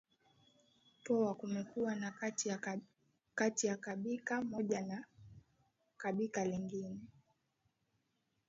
Poa kumekuwa na Kati ya kabika moja na kabika lingine